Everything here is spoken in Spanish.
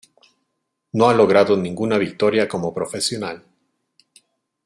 No ha logrado ninguna victoria como profesional.